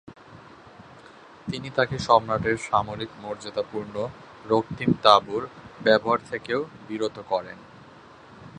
তিনি তাকে সম্রাটের সামরিক মর্যাদাপূর্ণ রক্তিম তাবুর ব্যবহার থেকেও বিরত করেন।